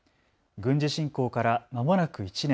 軍事侵攻からまもなく１年。